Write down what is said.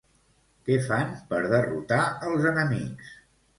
Què fan per derrotar els enemics?